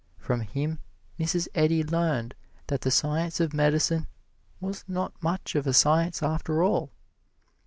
From him Mrs. Eddy learned that the Science of Medicine was not much of a science after all.